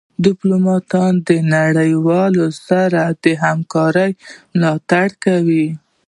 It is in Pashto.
ډيپلومات د نړېوالو سره د همکارۍ ملاتړ کوي.